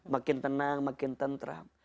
makin tenang makin tentram